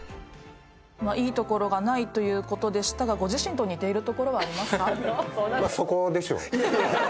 「いいところがない」ということでしたがご自身と似ているところはありますか？